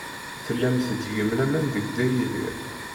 Tellam tettgem laman deg Dda Yidir.